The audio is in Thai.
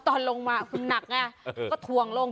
ตอนลงมาคุณหนักไงก็ถ่วงลง